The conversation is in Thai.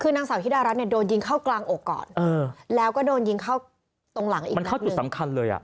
คือนางสาวธิดารัฐเนี่ยโดนยิงเข้ากลางอกก่อนเออแล้วก็โดนยิงเข้าตรงหลังอีกมันเข้าจุดสำคัญเลยอ่ะ